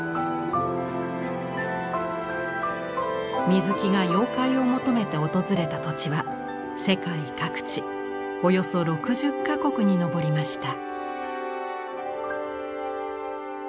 水木が妖怪を求めて訪れた土地は世界各地およそ６０か国に上りました。